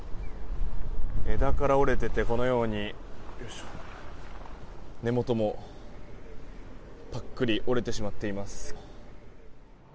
枝から折れていてこのように根元もぽっくり折れてしまっています。